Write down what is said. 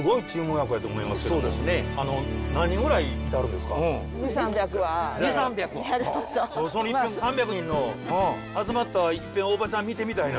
僕そのいっぺん３００人の集まったおばちゃん見てみたいな。